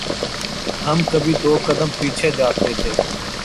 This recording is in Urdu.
ہم کبھی دو قدم پیچھے جاتے تھے۔